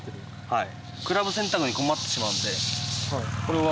はい。